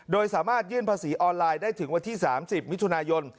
โดยสามารถยื่นภาษีออนไลน์ได้ถึงวันที่๓๐มิถุนายน